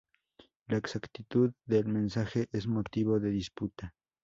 La exactitud del mensaje es motivo de disputa.